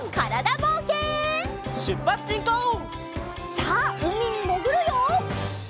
さあうみにもぐるよ！